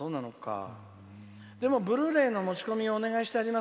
でも、ブルーレイの持ち込みをお願いしてあります。